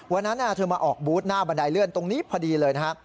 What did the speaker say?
วันนั้นเธอมาออกบูธหน้าบันไดเลื่อนตรงนี้พอดีเลยนะครับ